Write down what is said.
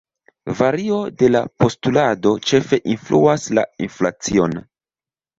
Vario de la postulado ĉefe influas la inflacion.